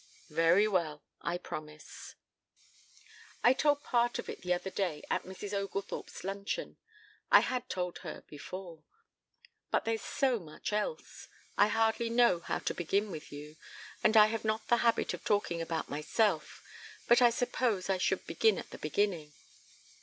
"Very well. I promise." "I told part of it the other day at Mrs. Oglethorpe's luncheon I had told her before. But there's so much else. I hardly know how to begin with you, and I have not the habit of talking about myself. But I suppose I should begin at the beginning."